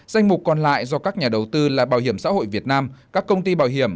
danh mục còn lại do các nhà đầu tư là bảo hiểm xã hội việt nam các công ty bảo hiểm